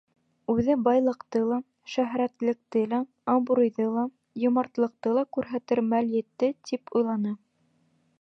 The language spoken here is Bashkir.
Үҙе, байлыҡты ла, шөһрәтлекте лә, абруйҙы ла, йомартлыҡты ла күрһәтер мәл етте, тип уйланы.